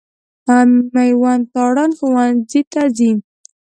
مېوند تارڼ ښوونځي ته ځي.